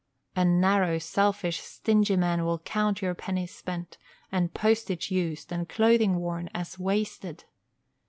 A narrow, selfish, stingy man will count your pennies spent, and postage used, and clothing worn, as wasted.